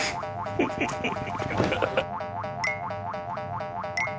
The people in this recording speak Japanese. フフフフ！